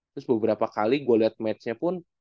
terus beberapa kali gue lihat match nya pun